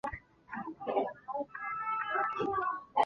任何人物都可以在三种不同剑质中选择其一。